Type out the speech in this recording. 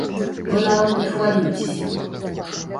Вы нават не хвалюйцеся!